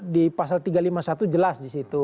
di pasal tiga ratus lima puluh satu jelas disitu